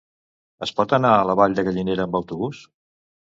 Es pot anar a la Vall de Gallinera amb autobús?